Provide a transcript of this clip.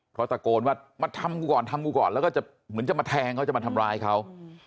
เพราะตะโกนว่ามาทำกูก่อนทำกูก่อนแล้วก็จะเหมือนจะมาแทงเขาจะมาทำร้ายเขา